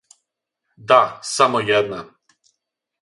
Да, само једна.